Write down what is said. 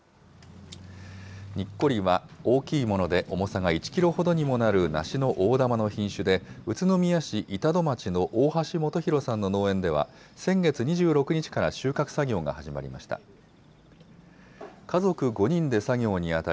にっこりは、大きいもので重さが１キロほどにもなる梨の大玉の品種で、宇都宮市板戸町の大橋基宏さんの農園では、先月２６日から収穫作業が始まりました。